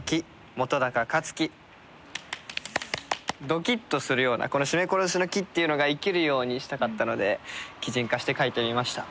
ドキッとするようなこの締め殺しの木っていうのが生きるようにしたかったので擬人化して書いてみました。